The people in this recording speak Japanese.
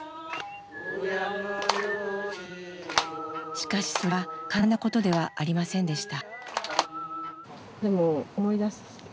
しかしそれは簡単なことではありませんでした。